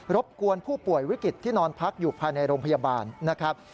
บกวนผู้ป่วยวิกฤตที่นอนพักอยู่ภายในโรงพยาบาลนะครับ